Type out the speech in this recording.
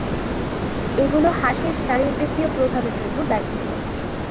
এগুলো হাসির শারীরবৃত্তীয় প্রভাবের জন্য দায়ী ছিল।